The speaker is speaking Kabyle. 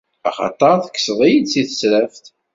Axaṭer tekkseḍ-iyi-d si tesraft.